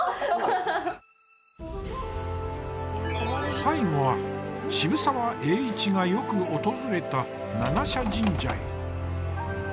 最後は渋沢栄一がよく訪れた七社神社へ。